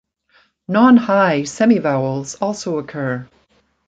Non-high semivowels also occur.